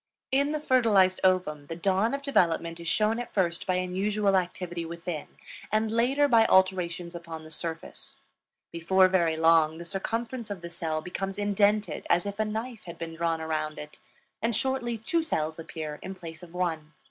In the fertilized ovum the dawn of development is shown at first by unusual activity within and later by alterations upon the surface. Before very long the circumference of the cell becomes indented as if a knife had been drawn around it, and shortly two cells appear in place of one.